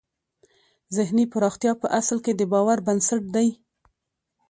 ذهني پراختیا په اصل کې د باور بنسټ دی